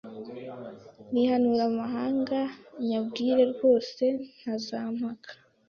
Nihanure amahanga Nyabwire rwose ntazampaka